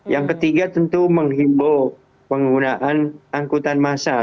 yang ketiga tentu menghimbau penggunaan angkutan massa